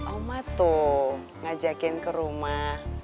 oma tuh ngajakin ke rumah